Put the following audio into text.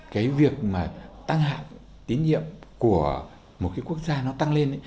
cái việc mà tăng hạng tín nhiệm của một cái quốc gia nó tăng lên